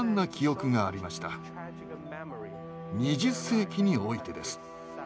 ２０世紀においてです。